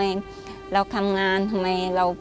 แม่บอกว่างั้นมันต้องทำอะไร